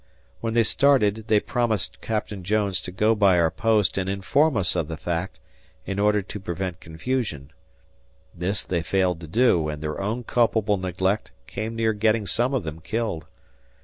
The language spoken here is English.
When they started they promised Captain Jones to go by our post and inform us of the fact, in order to prevent confusion, this they failed to do and their own culpable neglect came near getting some of them killed.